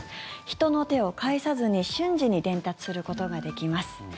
人の手を介さずに瞬時に伝達することができます。